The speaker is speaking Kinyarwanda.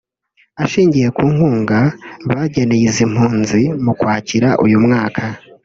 ashingiye ku nkunga bageneye izi mpunzi mu Kwakira uyu mwaka